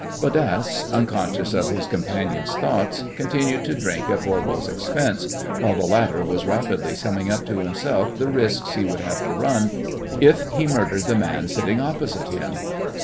Bodasse, unconscious of his companion's thoughts, continued to drink at Voirbo's expense, while the latter was rapidly summing up to himself the risks he would have to run if he murdered the man sitting opposite him.